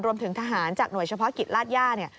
รวมถึงทหารจากหน่วยเฉพาะกิจลาดย่าเนี่ย